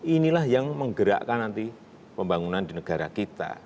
inilah yang menggerakkan nanti pembangunan di negara kita